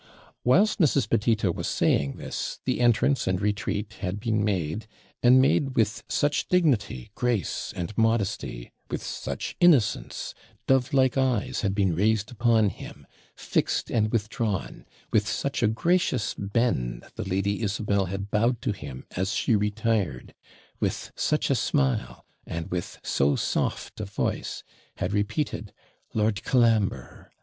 Whilst Mrs. Petito was saying this, the entrance and retreat had been made, and made with such dignity, grace, and modesty; with such innocence, dove like eyes had been raised upon him, fixed and withdrawn; with such a gracious bend the Lady Isabel had bowed to him as she retired; with such a smile, and with so soft a voice, had repeated 'Lord Colambre!'